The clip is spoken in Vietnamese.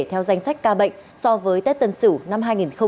theo danh sách ca bệnh so với tết tân sửu năm hai nghìn hai mươi một